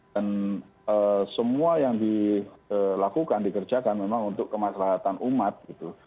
dan semua yang dilakukan dikerjakan memang untuk kemaslahatan umat gitu